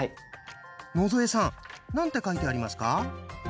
野添さん何て書いてありますか？